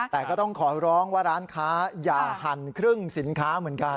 แต่ก็ต้องขอร้องว่าร้านค้าอย่าหั่นครึ่งสินค้าเหมือนกัน